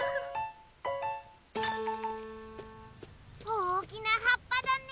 おおきなはっぱだね。